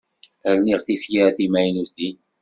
Rniɣ tifyar timaynutin.